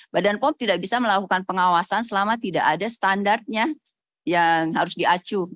badan pom tidak bisa melakukan pengawasan selama tidak ada standarnya yang harus diacu